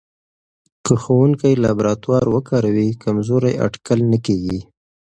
که ښوونکی لابراتوار وکاروي، کمزوری اټکل نه کېږي.